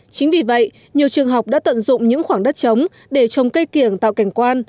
chính vì vậy nhiều trường học đã tận dụng những khoảng đất trống để trồng cây kiểng tạo cảnh quan